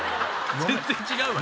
全然違うわ。